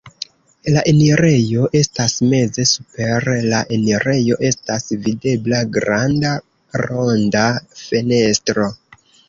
La enirejo estas meze, super la enirejo estas videbla granda ronda fenestro.